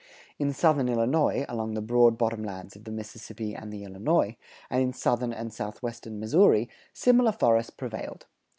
In southern Illinois, along the broad bottom lands of the Mississippi and the Illinois, and in southern and southwestern Missouri, similar forests prevailed.